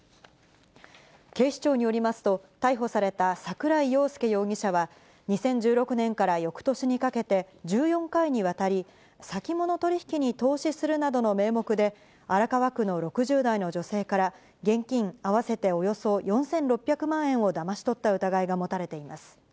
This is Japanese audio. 警視庁によりますと、逮捕された桜井庸輔容疑者は、２０１６年からよくとしにかけて、１４回にわたり、先物取引に投資するなどの名目で、荒川区の６０代の女性から、現金合わせておよそ４６００万円をだまし取った疑いが持たれています。